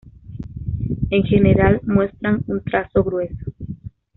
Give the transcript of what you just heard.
En general muestran un trazo grueso.